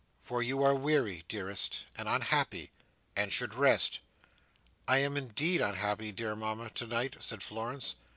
"For you are weary, dearest, and unhappy, and should rest." "I am indeed unhappy, dear Mama, tonight," said Florence.